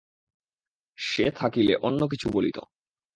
সে থাকিলে অন্য কিছু বলিত।